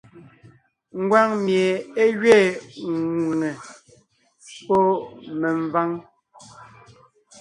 Ngwáŋ mie é gẅiin ŋwʉ̀ŋe (P), pɔ́ mvèmváŋ (K).